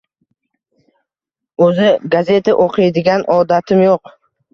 Oʻzi gazeta oʻqiydigan odatim yoʻq.